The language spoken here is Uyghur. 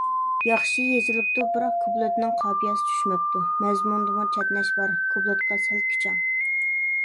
ياخشى يېزىلىپتۇ، بىراق كۇپلېتىنىڭ قاپىيەسى چۈشمەپتۇ. مەزمۇندىمۇ چەتنەش بار، كۇپلېتقا سەل كۈچەڭ.